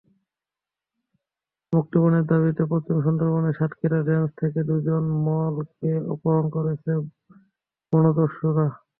মুক্তিপণের দাবিতে পশ্চিম সুন্দরবনের সাতক্ষীরা রেঞ্জ থেকে দুজন মৌয়ালকে অপহরণ করেছে বনদস্যুরা।